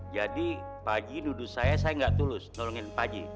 jadi pak haji duduk saya saya gak tulus nolongin pak haji